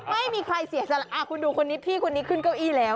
ไม่มีใครเสียสละคุณดูคนนี้พี่คนนี้ขึ้นเก้าอี้แล้ว